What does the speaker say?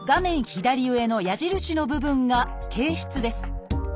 左上の矢印の部分が憩室です。